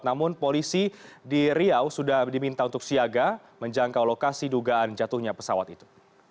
namun polisi di riau sudah diminta untuk siaga menjangkau lokasi dugaan jatuhnya pesawat itu